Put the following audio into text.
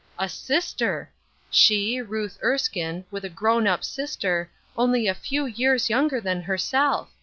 A sister ! She, Ruth Erskine, with a grown up sister, only a few years younger than herself